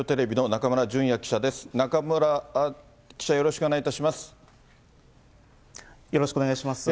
中村記者、よろしくお願いいたします。